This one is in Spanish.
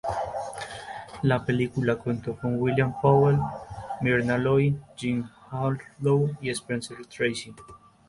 La película contó con William Powell, Myrna Loy, Jean Harlow, y Spencer Tracy.